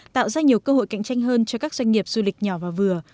tạo ra nhiều cơ hội cạnh tranh hơn cho các doanh nghiệp du lịch nhỏ và vừa